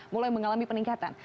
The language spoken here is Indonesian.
mulai mengalami peningkatan